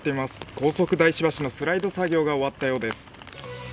高速大師橋のスライド作業が終わったそうです。